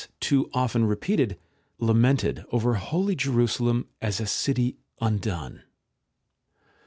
too often repeated, lamented over holy Jerusalem as a city undone.